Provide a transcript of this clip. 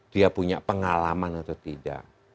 dia punya pengalaman atau tidak